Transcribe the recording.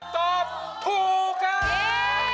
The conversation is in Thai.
ตอบถูกครับ